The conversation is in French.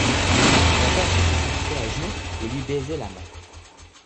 Mon père se précipitait à genoux et lui baisait la main.